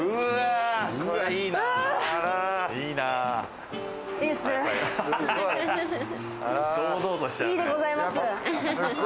いいでございます。